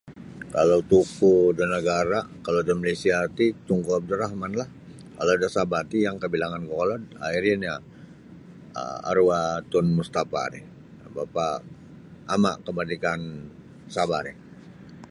Kalau tokoh da negara kalau da Malaysia ti Tunku Abdul Rahmanlah kalau da Sabah ti yang kabilangan kokolod um iri nio arwah Tun Mustapha ri bapa ama' kemerdekaan Sabah ri.